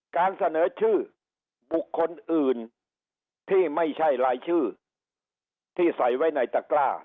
การเสนอชื่อบุคคลอื่นที่ไม่ใช่รายชื่อที่ใส่ไว้ในตะกล้า